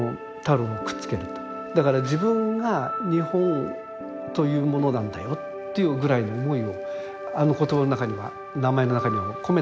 だから自分が日本というものなんだよっていうぐらいの思いをあの言葉の中には名前の中にも込めたんだろうと思うんですね。